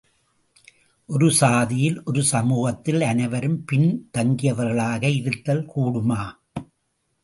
ஒரு சாதியில், ஒரு சமூகத்தில் அனைவரும் பின் தங்கியவர்களாக இருத்தல் கூடுமா?